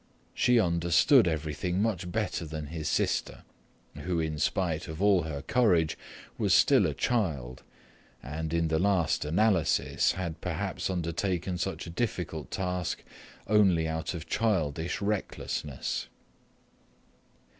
She understood everything much better than his sister, who, in spite of all her courage, was still a child and, in the last analysis, had perhaps undertaken such a difficult task only out of childish recklessness.